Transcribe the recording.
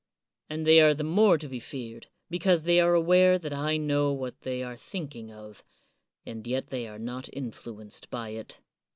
And they are the more to be feared, be cause they are aware that I know what they are thinking of, and yet they are not influenced by it.